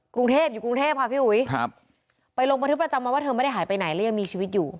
กรุงเทพอยู่กรุงเทพค่ะพี่อุ๋ยครับไปลงบันทึกประจำมาว่าเธอไม่ได้หายไปไหนแล้วยังมีชีวิตอยู่